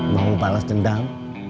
mau balas dendam